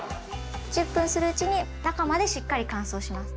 １０分するうちに中までしっかり乾燥します。